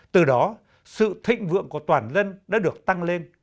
từ đó sự thịnh vượng của toàn dân đã được tăng lên